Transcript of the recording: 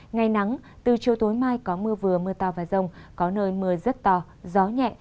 ngày nắng từ chiều tối mai có mưa vừa mưa to và rông có nơi mưa rất to gió nhẹ